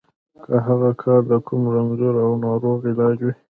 که هغه کار د کوم رنځور او ناروغ علاج وي.